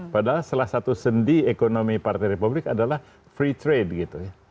padahal salah satu sendi ekonomi partai republik adalah free trade gitu ya